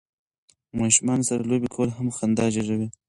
ماشومانو سره لوبې کول هم خندا زیږوي.